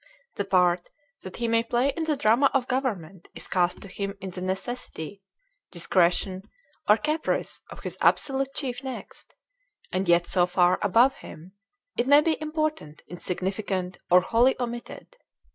The part that he may play in the drama of government is cast to him in the necessity, discretion, or caprice of his absolute chief next, and yet so far, above him; it may be important, insignificant, or wholly omitted.